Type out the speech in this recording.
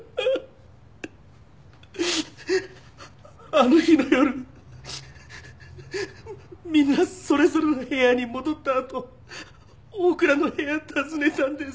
あの日の夜みんなそれぞれの部屋に戻ったあと大倉の部屋訪ねたんです。